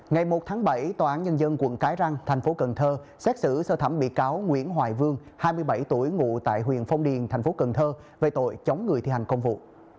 ngày một tháng bảy tòa án nhân dân quận cái răng thành phố cần thơ xét xử sơ thẩm bị cáo nguyễn hoài vương hai mươi bảy tuổi ngụ tại huyện phong điền thành phố cần thơ về tội chống người thi hành công vụ